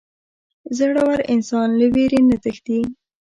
• زړور انسان له وېرې نه تښتي.